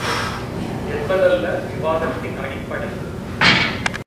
என்பதல்ல விவாதத்தின் அடிப்படை!